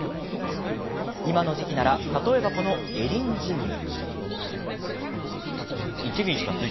今の時期なら例えば、このエリンジウム。